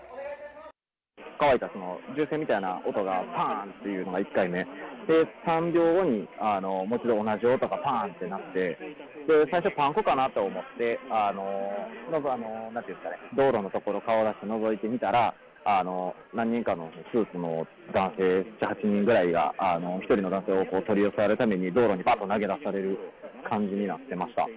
乾いた銃声みたいな音が、ぱんっていうのが１回ね、３秒後にもう一度同じ音がぱんって鳴って、最初、パンクかなと思って、道路の所、顔を出して、のぞいてみたら、何人かのスーツの男性７、８人ぐらいが、１人の男性を取り押さえるために、道路にばっと投げ出される感じになってました。